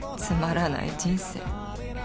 「つまらない人生」